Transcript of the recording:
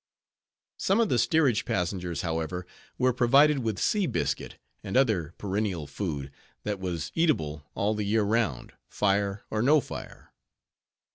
Some of the steerage passengers, however, were provided with sea biscuit, and other perennial food, that was eatable all the year round, fire or no fire.